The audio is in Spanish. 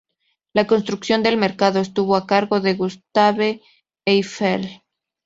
La construcción del mercado estuvo a cargo de Gustave Eiffel.